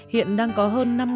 hiện đang có hơn năm cháu